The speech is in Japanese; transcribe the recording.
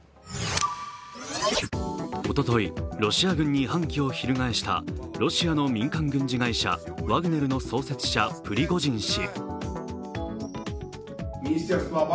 おととい、ロシア軍に反旗を翻したロシアの民間軍事会社・ワグネルの創設者・プリゴジン氏。